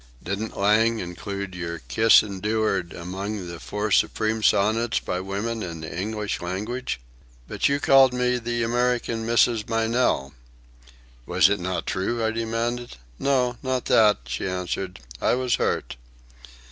Didn't Lang include your 'Kiss Endured' among the four supreme sonnets by women in the English language?" "But you called me the American Mrs. Meynell!" "Was it not true?" I demanded. "No, not that," she answered. "I was hurt."